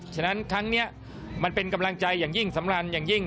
ฉะนั้นครั้งนี้มันเป็นกำลังใจอย่างยิ่งสำคัญอย่างยิ่ง